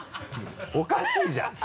おかしいじゃん！